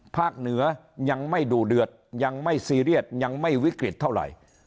เหนือยังไม่ดูเดือดยังไม่ซีเรียสยังไม่วิกฤตเท่าไหร่